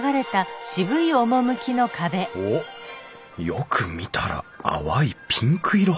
おっよく見たら淡いピンク色。